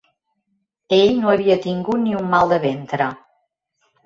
Ell no havia tingut ni un mal de ventre